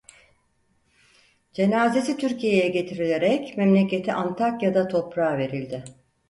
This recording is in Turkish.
Cenazesi Türkiye'ye getirilerek memleketi Antakya'da toprağa verildi.